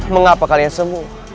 mengapa kalian semua